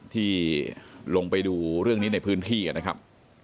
ที่ลงไปดูเรื่องนี้ในพื้นที่นะครับ